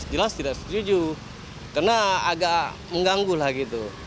jelas tidak setuju karena agak mengganggu lah gitu